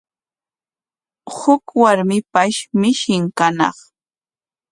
Huk warmipash mishin kañaq.